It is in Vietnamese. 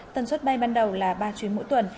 tần suất bay ban đầu là ba chuyến mỗi tuần